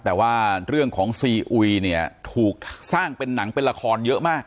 แต่ว่าเรื่องของซีอุยเนี่ยถูกสร้างเป็นหนังเป็นละครเยอะมาก